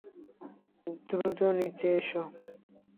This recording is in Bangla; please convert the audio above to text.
দ্রুত নিয়ে এসো।